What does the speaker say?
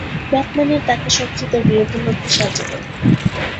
ব্যাটম্যানের তাকে শত্রুদের বিরুদ্ধে লড়তে সাহায্য করে।